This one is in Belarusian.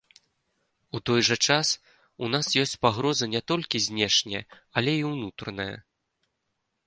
У той жа час у нас ёсць пагроза не толькі знешняя, але і ўнутраная.